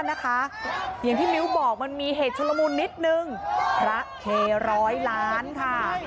อย่างที่มิ้วบอกมันมีเหตุชุลมุนนิดนึงพระเคร้อยล้านค่ะ